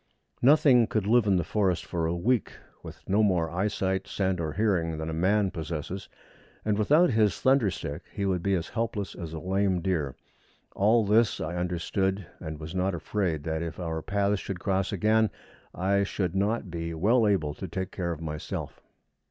Nothing could live in the forest for a week with no more eyesight, scent, or hearing than a man possesses, and without his thunder stick he would be as helpless as a lame deer. All this I understood, and was not afraid that, if our paths should cross again, I should not be well able to take care of myself.